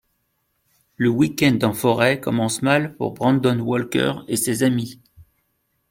Le week-end en forêt commence mal pour Brandon Walker et ses amis.